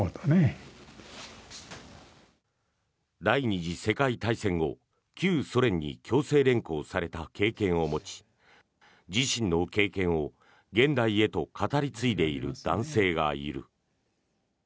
第２次世界大戦後、旧ソ連に強制連行された経験を持ち自身の経験を現代へと語り継いでいる男性がいる。